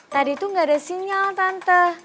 tadi tuh gak ada sinyal tante